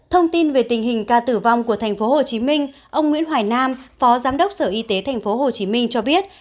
thông tin về tình hình ca tử vong của tp hcm ông nguyễn hoài nam phó giám đốc sở y tế tp hcm cho biết